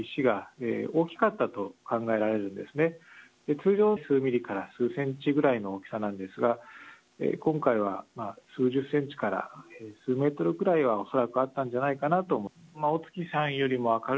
通常数ミリから数センチくらいの大きさなんですが今回は数センチから数メートルくらいはあったんじゃないかなと。